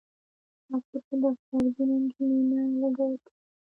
راکټ ته د غبرګون انجنونه لګول کېږي